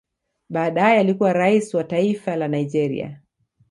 Baadaye alikuwa rais wa taifa la Nigeria